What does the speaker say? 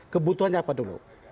kebutuhannya apa dulu